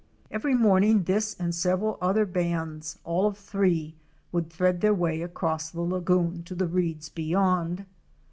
Every morning this and several other bands, all of three, would thread their way across the lagoon to the reeds beyond.